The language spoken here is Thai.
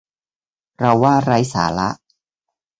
เราว่าไร้สาระ